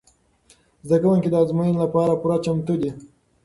زده کوونکي د ازموینو لپاره پوره چمتو دي.